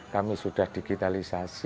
kami sudah digitalisasi